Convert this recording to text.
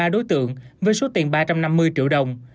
một mươi ba đối tượng với số tiền ba trăm năm mươi triệu đồng